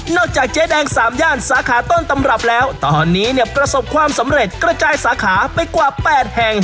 จากเจ๊แดงสามย่านสาขาต้นตำรับแล้วตอนนี้เนี่ยประสบความสำเร็จกระจายสาขาไปกว่า๘แห่ง